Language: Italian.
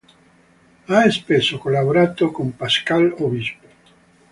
Ha spesso collaborato con Pascal Obispo.